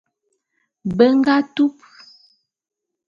Be nga tup.